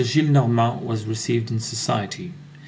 Gillenormand was received in society.